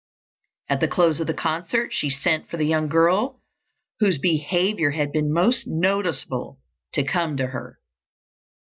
At the close of the concert she sent for the young girl whose behavior had been most noticeable to come to her.